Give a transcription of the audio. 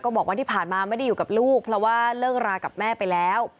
บอกว่าที่ผ่านมาไม่ได้อยู่กับลูกเพราะว่าเลิกรากับแม่ไปแล้ว